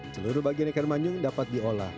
seluruh bagian ikan manyung dapat diolah